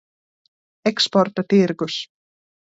Eksporta tirgus.